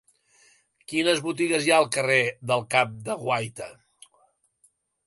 Quines botigues hi ha al carrer del Cap de Guaita?